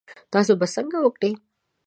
تاسو به څنګه وکړی؟